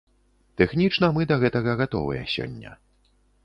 Тэхнічна мы да гэтага гатовыя сёння.